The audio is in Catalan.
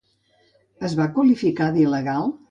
Es va qualificar d'il·legal?